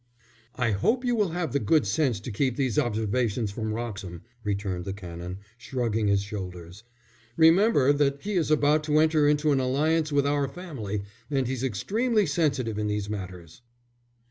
"I hope you will have the good sense to keep these observations from Wroxham," returned the Canon, shrugging his shoulders. "Remember that he is about to enter into an alliance with our family, and he's extremely sensitive in these matters."